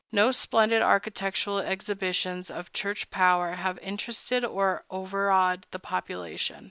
No splendid architectural exhibitions of Church power have interested or overawed the population.